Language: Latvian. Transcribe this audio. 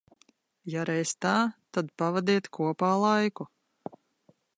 Ja reiz tā, tad pavadiet kopā laiku.